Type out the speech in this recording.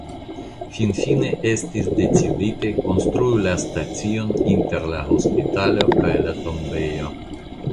Finfine estis decidite konstrui la stacion inter la hospitalo kaj la tombejo.